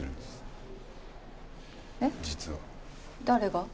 誰が？